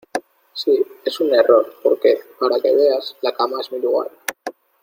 Sí, es un error , porque , para que veas , la cama es mi lugar.